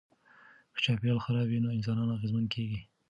که چاپیریال خراب وي نو انسانان اغېزمن کیږي.